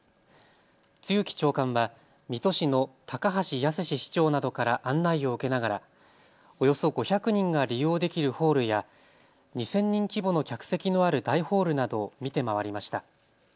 露木長官は水戸市の高橋靖市長などから案内を受けながらおよそ５００人が利用できるホールや２０００人規模の客席のある大ホールなどを見て回りました。